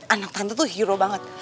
anak tante tuh hero banget